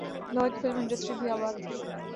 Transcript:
لاہور کی film industry بھی آباد تھی۔